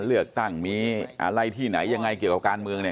ไล่ที่ไหนยังไงเกี่ยวกับการเมือง